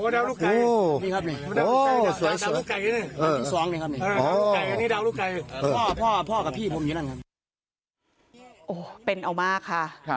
ดาวลูกไก่